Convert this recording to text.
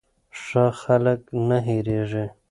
ښه خلک نه هېریږي.